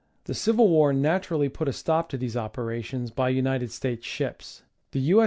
The civil war naturally put a stop to these operations by United States ships. The U. S.